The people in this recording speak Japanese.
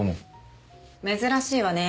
珍しいわね。